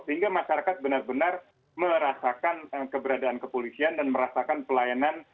sehingga masyarakat benar benar merasakan keberadaan kepolisian dan merasakan pelayanan